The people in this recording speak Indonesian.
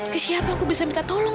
ke siapa aku bisa minta tolong